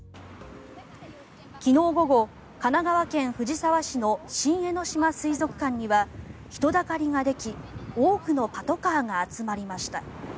昨日午後、神奈川県藤沢市の新江ノ島水族館には人だかりができ多くのパトカーが集まりました。